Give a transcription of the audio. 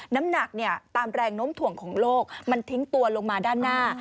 น้ำหนักเนี่ยตามแรงน้มถ่วงของโลกมันทิ้งตัวลงมาด้านหน้า